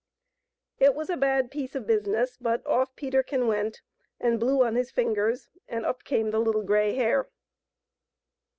It was a bad piece of business, but off Peterkin went and blew on his fingers, and up came the Little Grey Hare.